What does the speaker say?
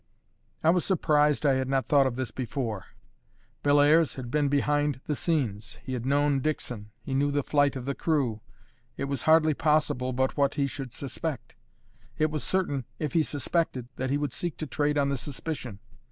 I was surprised I had not thought of this before. Bellairs had been behind the scenes; he had known Dickson; he knew the flight of the crew; it was hardly possible but what he should suspect; it was certain if he suspected, that he would seek to trade on the suspicion.